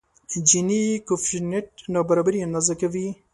جیني کویفشینټ نابرابري اندازه کوي.